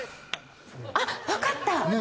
あっ、わかった！